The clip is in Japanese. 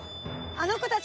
あの子たち